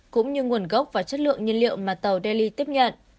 cũng như nguồn gốc và chất lượng nhiên liệu mà tàu delhi tiếp nhận